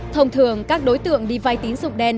thông thường các đối tượng đi vay tín dụng đen